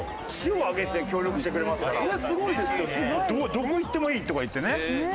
どこ行ってもいいとかいってね。